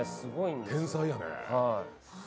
天才やね。